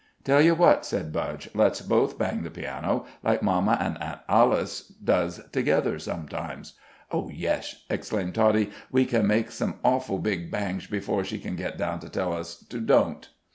"Tell you what," said Budge, "let's both bang the piano, like mamma an' Aunt Alice does together sometimes." "Oh, yesh!" exclaimed Toddie. "We can make some awful big bangsh before she can get down to tell us to don't."